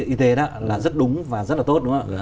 y tế đó là rất đúng và rất là tốt đúng không